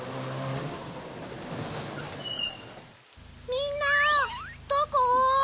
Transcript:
みんなどこ？